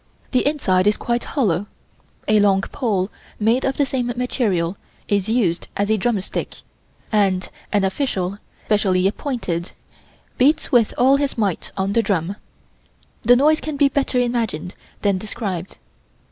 The inside is quite hollow. A long pole made of the same material is used as a drumstick, and an official, specially appointed, beats with all his might on the drum. The noise can be better imagined than described.